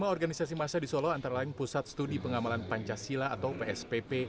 lima organisasi masa di solo antara lain pusat studi pengamalan pancasila atau pspp